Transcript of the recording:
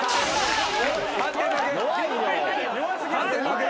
判定負け。